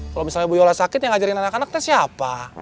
kalau misalnya bu yola sakit yang ngajarin anak anaknya siapa